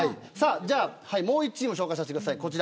もう１チーム紹介させてください。